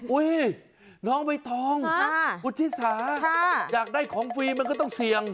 น้องใบตองคุณชิสาอยากได้ของฟรีมันก็ต้องเสี่ยง